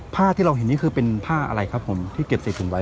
ผ้าที่เราเห็นนี่คือเป็นผ้าอะไรครับผมที่เก็บใส่ถุงไว้